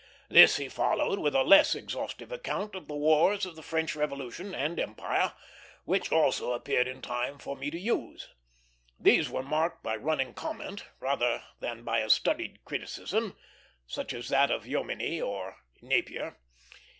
This he followed with a less exhaustive account of the wars of the French Revolution and Empire, which also appeared in time for me to use. These were marked by running comment, rather than by a studied criticism such as that of Jomini or Napier.